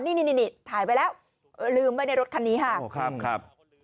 นี่ถ่ายไว้แล้วลืมไว้ในรถคันนี้ค่ะครับ